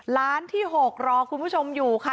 ล้านที่๖รอคุณผู้ชมอยู่ค่ะ